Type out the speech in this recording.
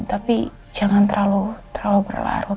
tapi jangan terlalu berlarut